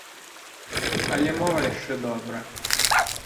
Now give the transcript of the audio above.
Але мова яшчэ добра.